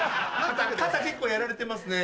肩結構やられてますねこれ。